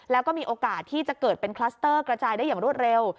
แล้วก็มีโอกาสที่จะเกิดเป็นคลัสเตอร์กระจายได้อย่างรวดเร็ว